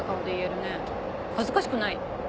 恥ずかしくない？